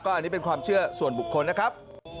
อันนี้เป็นความเชื่อส่วนบุคคลนะครับ